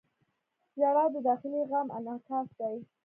• ژړا د داخلي غم انعکاس دی.